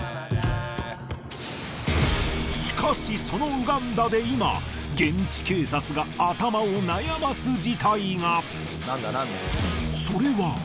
しかしそのウガンダで今現地警察が頭を悩ます事態が！